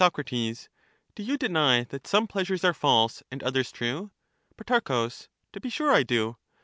Soc. Do you deny that some pleasures are false, and others true? Pro. To be sure I do.